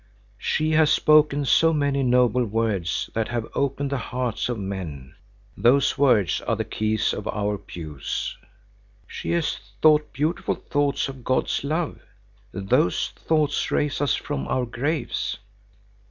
"She has spoken so many noble words that have opened the hearts of men; those words are the keys of our pews. "She has thought beautiful thoughts of God's love. Those thoughts raise us from our graves."